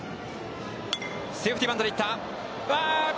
セーフティーバントでいった。